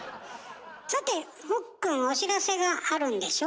さてほっくんお知らせがあるんでしょ？